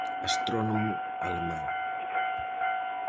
Astrónomo alemán.